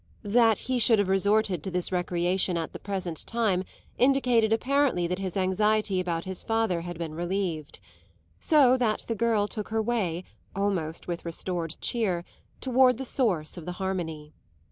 That he should have resorted to this recreation at the present time indicated apparently that his anxiety about his father had been relieved; so that the girl took her way, almost with restored cheer, toward the source of the harmony.